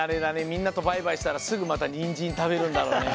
みんなとバイバイしたらすぐまたにんじん食べるんだろうね。